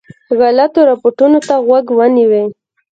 غلطو رپوټونو ته غوږ ونیوی.